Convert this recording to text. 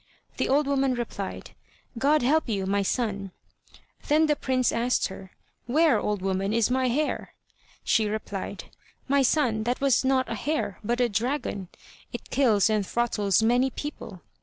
The old woman replied: "God help you, my son!" Then the prince asked her: "Where, old woman, is my hare?" She replied: "My son, that was not a hare, but a dragon. It kills and throttles many people."